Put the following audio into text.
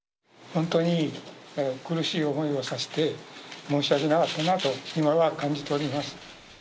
本当に、苦しい思いをさせて、申し訳なかったなと、今は感じております。